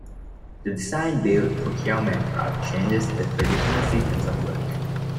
The design-build procurement route changes the traditional sequence of work.